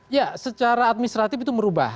ya secara administratif itu merubah